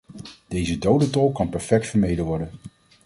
Deze dodentol kan perfect vermeden worden.